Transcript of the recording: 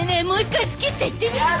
もう一回好きって言ってみ。